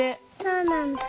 そうなんだ。